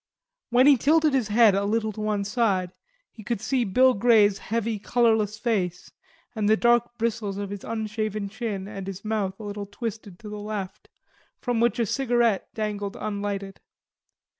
When he tilted his head a little to one side he could see Bill Grey's heavy colorless face and the dark bristles of his unshaven chin and his mouth a little twisted to the left, from which a cigarette dangled unlighted.